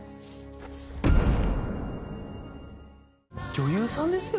女優さんですよ？